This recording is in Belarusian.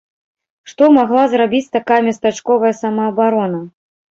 Што магла зрабіць такая местачковая самаабарона?